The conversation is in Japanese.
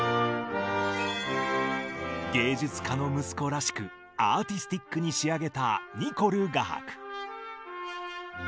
ゅつかの息子らしくアーティスティックにしあげたニコルがはく。